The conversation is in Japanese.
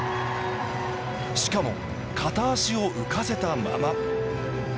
しかも、片足を浮かせたまま。